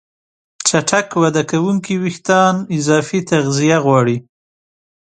چټک وده کوونکي وېښتيان اضافي تغذیه غواړي.